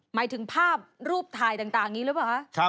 หมายถึงภาพรูปถ่ายต่างนี้หรือเปล่าคะ